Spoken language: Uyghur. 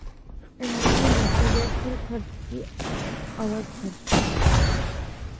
ئەمدىكى مەسىلە تور كارتىسى، ئاۋاز كارتىسى.